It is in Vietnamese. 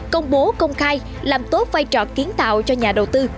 công bố công khai làm tốt vai trò kiến tạo cho nhà đầu tư